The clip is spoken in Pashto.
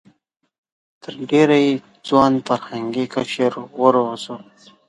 تر ډېره یې ځوان فرهنګي قشر وروزه.